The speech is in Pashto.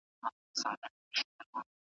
د محبت کموالی د کرکي باعث کيږي.